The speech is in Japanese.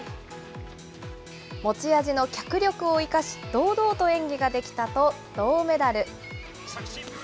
持ち味の脚力を生かし、堂々と演技ができたと銅メダル。